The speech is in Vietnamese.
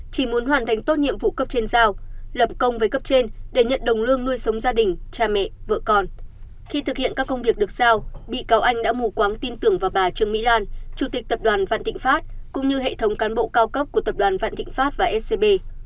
chủ tịch tập đoàn vạn thịnh pháp cũng như hệ thống cán bộ cao cấp của tập đoàn vạn thịnh pháp và scb